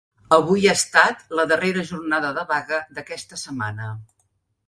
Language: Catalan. Avui ha estat la darrera jornada de vaga d’aquesta setmana.